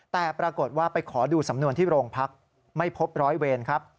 แต่ปรากฏว่าไปขอดูสำนวนที่โรงพักไม่พบร้อยเวรครับ